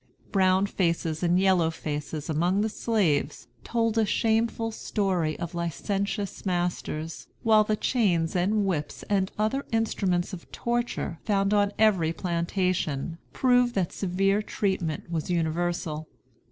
Brown faces and yellow faces among the slaves told a shameful story of licentious masters, while the chains and whips and other instruments of torture found on every plantation proved that severe treatment was universal.